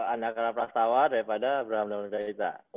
anda kena prasatawa daripada abraham dan margara hita